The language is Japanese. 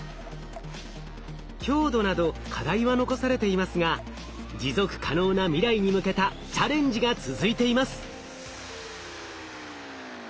強度など課題は残されていますが持続可能な未来に向けたチャレンジが続いています。